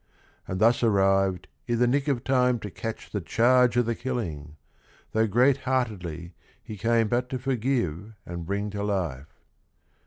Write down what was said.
— And thus arrived i' the nick of time to catch The charge o' the killing, though great heartedly He came but to forgive and bring to life.